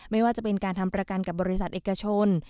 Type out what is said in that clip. ไม่ว่าจะเป็นการทำประกันกับบริษัทเอกชน